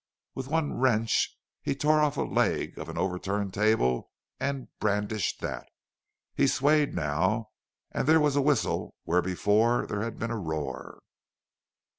With one wrench he tore off a leg of the overturned table and brandished that. He swayed now, and there was a whistle where before there had been a roar.